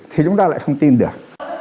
thì chúng ta lại không tin được